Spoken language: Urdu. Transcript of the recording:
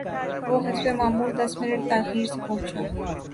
وہ حسب معمول دس منٹ تا خیر سے پہنچا